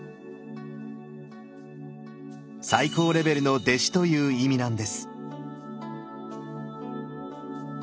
「最高レベルの弟子」という意味なんです。